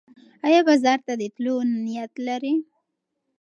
ایا بازار ته د تلو نیت لرې؟